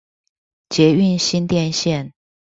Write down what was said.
捷運新店線